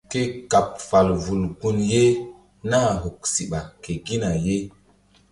Ke kaɓ fal vul gun ye nah huk siɓa ke gina ye.